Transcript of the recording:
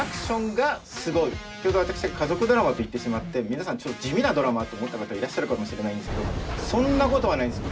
先ほど私が家族ドラマと言ってしまって皆さんちょっと地味なドラマと思った方いらっしゃるかもしれないんですけどそんなことはないんです！